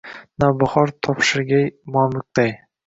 Navbahor toshirgan Yoyiqday